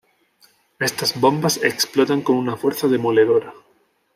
Estas "bombas" explotan con una fuerza demoledora.